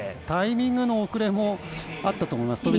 タイミングの遅れもあったと思います。